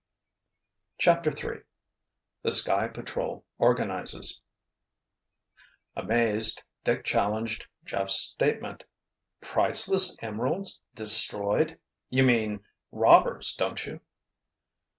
CHAPTER III THE SKY PATROL ORGANIZES Amazed, Dick challenged Jeff's statement. "Priceless emeralds—destroyed? You mean—robbers, don't you?"